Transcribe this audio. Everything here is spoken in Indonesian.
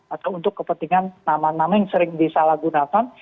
atau untuk kepentingan nama nama yang sering disalahgunakan